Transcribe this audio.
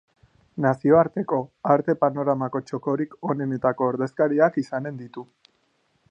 Nazioarteko arte-panoramako txokorik onenetako ordezkariak izanen ditu.